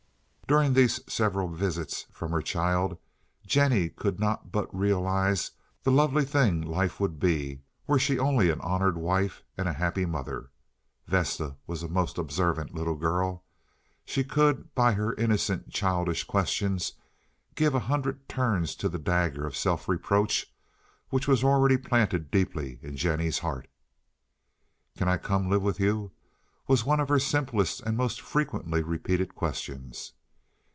During these several visits from her child Jennie could not but realize the lovely thing life would be were she only an honored wife and a happy mother. Vesta was a most observant little girl. She could by her innocent childish questions give a hundred turns to the dagger of self reproach which was already planted deeply in Jennie's heart. "Can I come to live with you?" was one of her simplest and most frequently repeated questions.